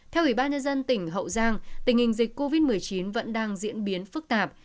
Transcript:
theo ủy ban nhân dân tỉnh hậu giang tình hình dịch covid một mươi chín vẫn đang diễn biến phức tạp